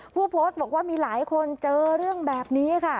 ผู้โพสต์บอกว่ามีหลายคนเจอเรื่องแบบนี้ค่ะ